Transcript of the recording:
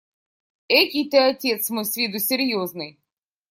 Экий ты, отец мой, с виду серьезный!